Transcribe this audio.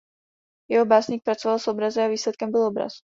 Jako básník pracoval s obrazy a výsledkem byl obraz.